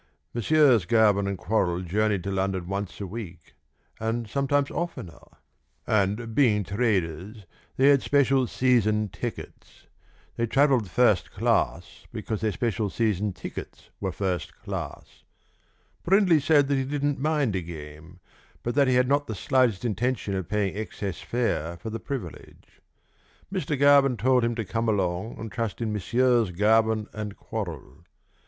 Messieurs Garvin and Quorrall journeyed to London once a week and sometimes oftener, and, being traders, they had special season tickets. They travelled first class because their special season tickets were first class. Brindley said that he didn't mind a game, but that he had not the slightest intention of paying excess fare for the privilege. Mr. Garvin told him to come along and trust in Messieurs Garvin and Quorrall.